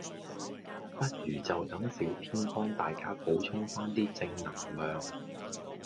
不如就等小編幫大家補充返啲正能量